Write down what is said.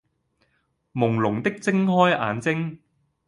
朦朧的睜開眼睛